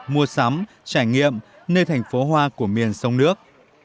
mua sắm trải nghiệm nơi thành phố hoa của miền sông nước